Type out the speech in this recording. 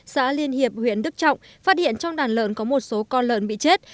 xã liên hiệp huyện đức trọng phát hiện trong đàn lợn có một số con lợn bị chết